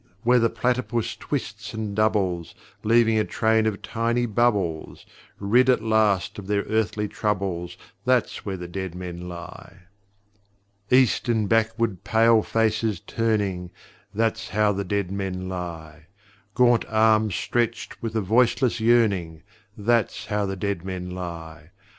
Where the platypus twists and doubles, Leaving a train of tiny bubbles. Rid at last of their earthly troubles That's where the dead men lie! East and backward pale faces turning That's how the dead men lie! Gaunt arms stretched with a voiceless yearning That's how the dead men lie!